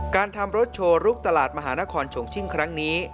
การทำรถโชว์ลุกตลาดมหานครชงชิ่งครั้งนี้